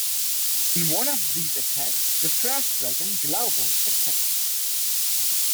In one of these attacks, the first dragon, Glaurung, attacked.